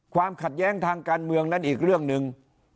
ความขัดแย้งทางการเมืองนั้นอีกเรื่องหนึ่ง